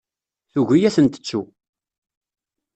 Tugi ad ten-tettu.